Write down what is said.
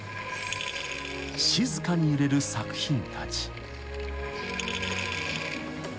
［静かに揺れる作品たち］